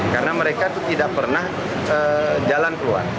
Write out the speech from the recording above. karena mereka itu tidak pernah jalan keluar